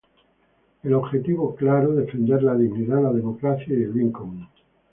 El objetivo claro: defender la dignidad, la democracia y el bien común.